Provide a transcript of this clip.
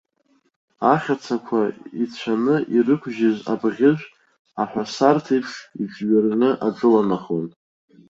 Ахьацақәа ицәаны ирықәжьыз абӷьыжә аҳәасарҭ еиԥш иҿҩырны аҿыланахон.